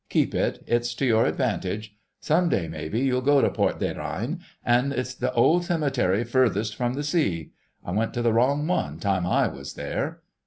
Keep it, it's to your advantage.... Some day, maybe, you'll go to Port des Reines, an' it's the old cemetery furthest from the sea. I went to the wrong one time I was there."